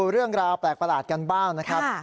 เรื่องราวแปลกประหลาดกันบ้างนะครับ